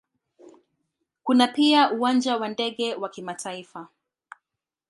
Kuna pia Uwanja wa ndege wa kimataifa.